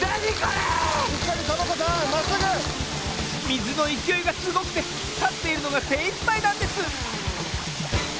みずのいきおいがすごくてたっているのがせいいっぱいなんです。